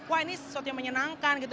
wah ini sesuatu yang menyenangkan gitu